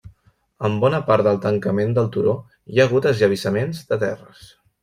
En bona part del tancament del turó hi ha hagut esllavissaments de terres.